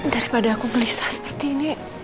daripada aku belisah seperti ini